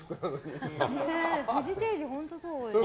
フジテレビは本当にそうですね。